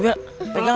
udah malam udah malam